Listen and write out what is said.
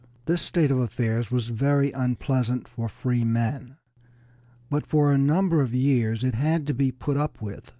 This state of affairs was very unpleasant for free men, but for a number of years it had to be put up with.